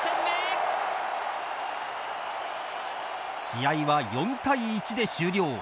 試合は４対１で終了。